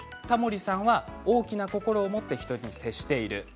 タモリさんは大きな心を持って接している。